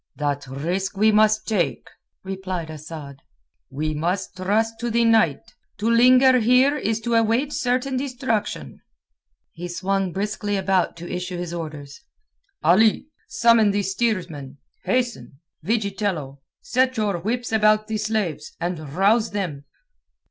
"That risk we must take," replied Asad. "We must trust to the night. To linger here is to await certain destruction." He swung briskly about to issue his orders. "Ali, summon the steersmen. Hasten! Vigitello, set your whips about the slaves, and rouse them."